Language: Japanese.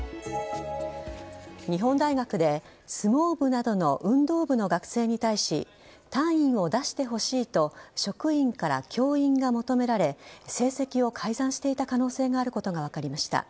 日本大学で相撲部などの運動部の学生に対し単位を出してほしいと職員から教員が求められ成績を改ざんしていた可能性があることが分かりました。